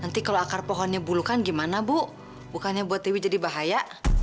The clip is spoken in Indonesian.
nanti kalau akar pohonnya bulukan gimana bu bukannya buat dewi jadi bahaya